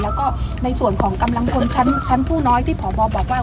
แล้วก็ในส่วนของกำลังพลชั้นผู้น้อยที่พบบอกว่า